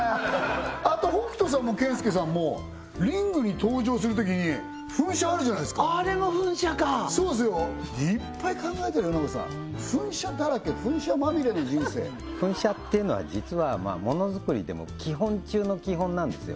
あと北斗さんも健介さんもリングに登場するときに噴射あるじゃないすかあれも噴射かそうですよいっぱい考えたら森永さん噴射だらけ噴射まみれの人生噴射っていうのは実はモノづくりでも基本中の基本なんですよ